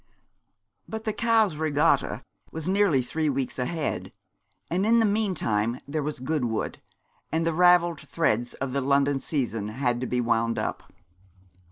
But the Cowes Regatta was nearly three weeks ahead; and in the meantime there was Goodwood, and the ravelled threads of the London season had to be wound up.